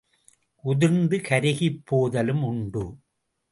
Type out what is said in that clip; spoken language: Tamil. உதிர்ந்து கருகிப் போதலும் உண்டு.